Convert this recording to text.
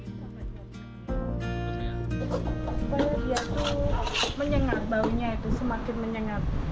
banyaknya itu menyengat baunya itu semakin menyengat